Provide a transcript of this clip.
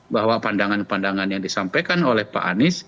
bahwa pandangan pandangan yang disampaikan oleh pak anies